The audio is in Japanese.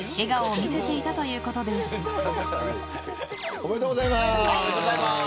おめでとうございます。